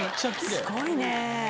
すごいね。